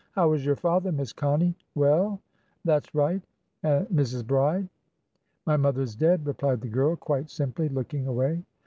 "How is your father, Miss Connie? Well? That's right. And Mrs. Bride?" "My mother is dead," replied the girl, quite simply, looking away.